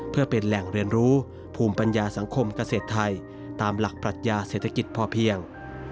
เพื่อเป็นแหล่งเรียนรู้ภูมิปัญญาสังคมเกษตรไทยตามหลักปรัชญาเศรษฐกิจพอเพียง